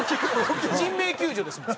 人命救助ですもん。